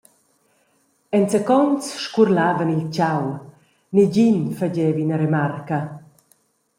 Enzacons scurlavan il tgau, negin fageva ina remarca.